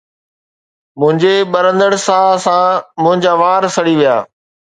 منهنجي ٻرندڙ ساهه سان منهنجا وار سڙي ويا